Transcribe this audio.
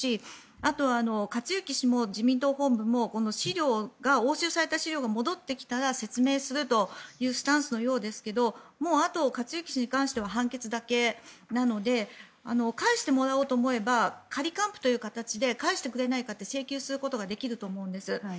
あと克行氏も自民党本部も押収された資料が戻ってきたら説明するというスタンスのようですがもう、あと克行氏に関しては判決だけなので返してもらおうと思えば仮還付という形で返してくれないかと請求することができると思うんです。